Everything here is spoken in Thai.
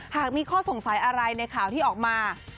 หากมีข้อสงสัยอะไรในข่าวที่ออกมา